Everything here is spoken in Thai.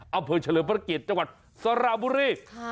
อำเภอเฉลิมภรรกิจจังหวัดสารบุรี